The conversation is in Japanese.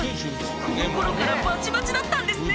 この頃からバチバチだったんですね！